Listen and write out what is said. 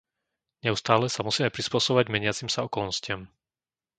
Neustále sa musíme prispôsobovať meniacim sa okolnostiam.